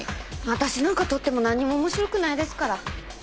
私なんか撮ってもなんにも面白くないですから。